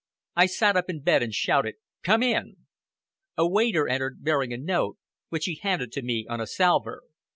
I sat up in bed and shouted, "Come in!" A waiter entered bearing a note, which he handed to me on a salver.